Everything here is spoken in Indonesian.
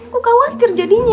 kok khawatir jadinya